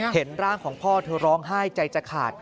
เห็นร่างของพ่อเธอร้องไห้ใจจะขาด